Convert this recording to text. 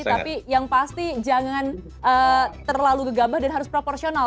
tapi yang pasti jangan terlalu gegabah dan harus proporsional